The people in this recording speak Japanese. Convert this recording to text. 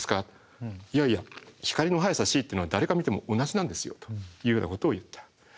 いやいや光の速さｃってのは誰が見ても同じなんですよというようなことを言った。